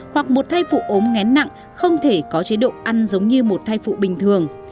hoặc một thai phụ ốm ngén nặng không thể có chế độ ăn giống như một thai phụ bình thường